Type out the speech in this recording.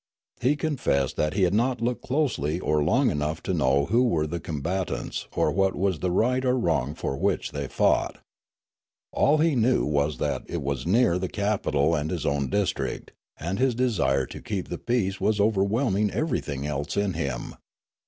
He confessed that he had not looked closely or long enough to know who were the combatants or what was the right or wrong for which they fought. 364 Riallaro All he knew was that it was near the capital and his own district, and his desire to keep the peace was over whelming everything else in him.